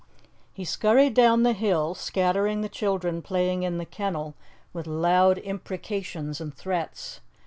He scurried down the hill, scattering the children playing in the kennel with loud imprecations and threats.